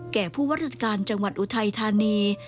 แก่ผู้วัตถการจังหวัดอุทัยธานี